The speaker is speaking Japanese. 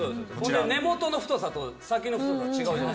根元の太さと先の太さが違う。